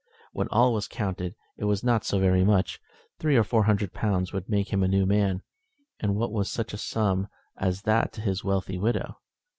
When all was counted it was not so very much. Three or four hundred pounds would make him a new man, and what was such a sum as that to his wealthy widow!